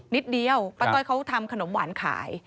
นิดเดียวป้าต้อยเขาทำขนมหวานขาย